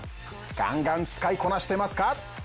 ガンガン使いこなしてますか？